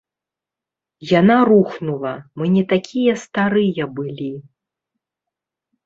Яна рухнула, мы не такія старыя былі.